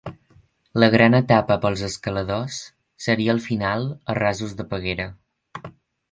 La gran etapa pels escaladors seria el final a Rasos de Peguera.